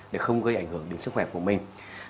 để không gây ảnh hưởng đến sức khỏe của mình